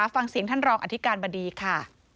ฟังเสียงท่านรองอธิการบดีค่ะ